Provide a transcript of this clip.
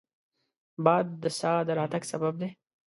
باد د سا د راتګ سبب دی